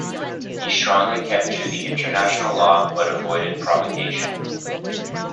He strongly kept to the International Law but avoided provocation.